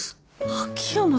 秋山さん。